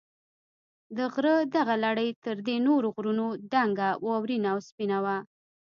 د غره دغه لړۍ تر دې نورو غرونو دنګه، واورینه او سپینه وه.